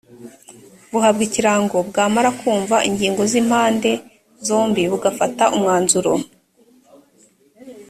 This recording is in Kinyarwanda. buhabwa ikirango bwamara kumva ingingo z impande zombie bugafata umwanzuro